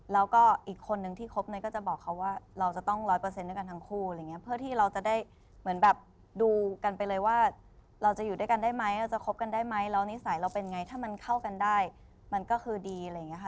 แล้วก็อีกคนนึงที่คบนั้นก็จะบอกเขาว่าเราจะต้องร้อยเปอร์เซ็นต์ด้วยกันทั้งคู่อะไรอย่างเงี้เพื่อที่เราจะได้เหมือนแบบดูกันไปเลยว่าเราจะอยู่ด้วยกันได้ไหมเราจะคบกันได้ไหมแล้วนิสัยเราเป็นไงถ้ามันเข้ากันได้มันก็คือดีอะไรอย่างนี้ค่ะ